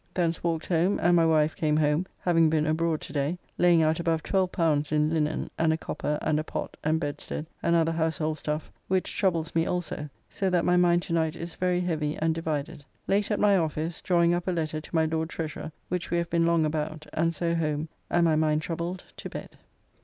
Thence walked home, and my wife came home, having been abroad to day, laying out above L12 in linen, and a copper, and a pot, and bedstead, and other household stuff, which troubles me also, so that my mind to night is very heavy and divided. Late at my office, drawing up a letter to my Lord Treasurer, which we have been long about, and so home, and, my mind troubled, to bed.